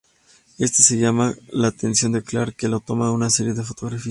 Éste le llamo la atención a Clark, que le tomó una serie de fotografías.